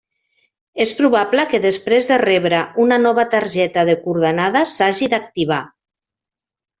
És probable que després de rebre una nova targeta de coordenades s'hagi d'activar.